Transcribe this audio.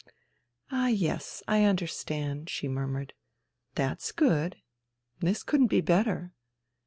" Ah, yes. I understand," she murmured. " That's good. This couldn't be better.